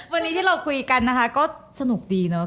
วันนี้ที่เราคุยกันนะคะก็สนุกดีเนอะ